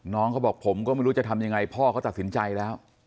น้องเขาบอกผมก็ไม่รู้จะทำยังไงพ่อเขาตัดสินใจแล้ว